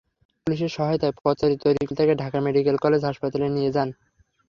পুলিশের সহায়তায় পথচারী তরিকুল তাঁকে ঢাকা মেডিকেল কলেজ হাসপাতালে নিয়ে যান।